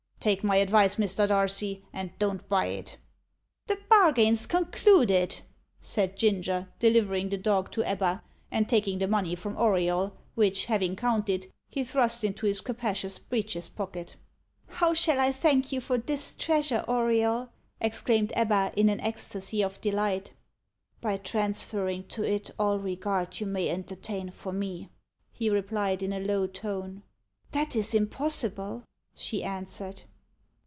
Take my advice, Mr. Darcy, and don't buy it." "The bargain's concluded," said Ginger, delivering the dog to Ebba, and taking the money from Auriol, which, having counted, he thrust into his capacious breeches pocket. "How shall I thank you for this treasure, Auriol?" exclaimed Ebba, in an ecstasy of delight. "By transferring to it all regard you may entertain for me," he replied, in a low tone. "That is impossible," she answered.